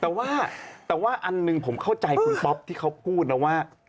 แต่ว่าแต่ว่าอันหนึ่งผมเข้าใจคุณป๊อปที่เขาพูดนะว่า